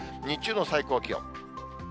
日中の最高気温。